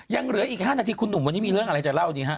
ยังเหลืออีก๕นาทีคุณหนุ่มวันนี้มีเรื่องอะไรจะเล่าดีฮะ